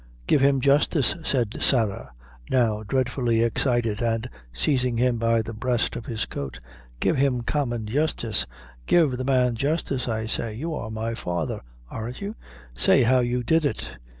"Give him justice," said Sarah, now dreadfully excited, and seizing him by the breast of his coat, "give him common justice give the man justice, I say. You are my father, aren't you? Say how you did it.